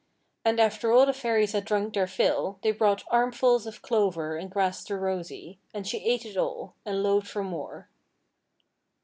And after all the Fairies had drunk their fill, they brought armfuls of clover and grass to Rosy; and she ate it all, and lowed for more.